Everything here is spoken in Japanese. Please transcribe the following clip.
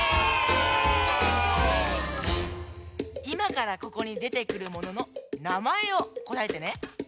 いまからここにでてくるもののなまえをこたえてね。